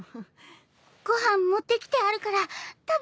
ご飯持ってきてあるから食べてね。